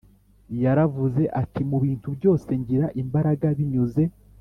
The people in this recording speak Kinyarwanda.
yaravuze ati mu bintu byose ngira imbaraga binyuze